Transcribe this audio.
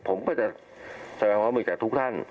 ผมก็จะแสวงความรับมือจากทุกท่าน